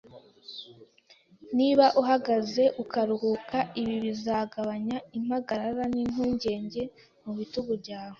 Niba uhagaze ukaruhuka, ibi bizagabanya impagarara nimpungenge mubitugu byawe.